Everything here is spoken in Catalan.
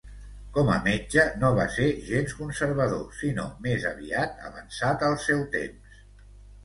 Com a metge no va ser gens conservador sinó més aviat avançat al seu temps.